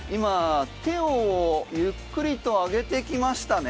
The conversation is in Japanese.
手をゆっくりと上げてきましたね。